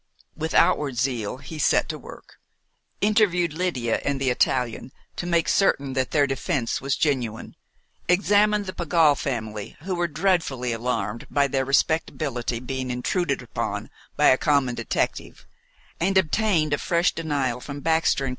With outward zeal he set to work; interviewed Lydia and the Italian, to make certain that their defence was genuine; examined the Pegall family, who were dreadfully alarmed by their respectability being intruded upon by a common detective, and obtained a fresh denial from Baxter & Co.'